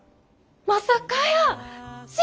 まさかやー！